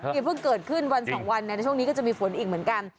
อย่าเพิ่งเกิดขึ้นวันสองวันในช่วงนี้ก็จะมีฝนอีกเหมือนกัน